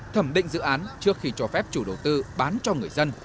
thẩm định dự án trước khi cho phép chủ đầu tư bán cho người dân